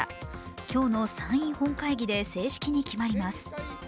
今日の参院本会議で正式に決まります。